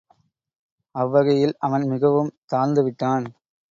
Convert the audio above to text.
அவ்வகையில் அவன் மிகவும் தாழ்ந்து விட்டான்.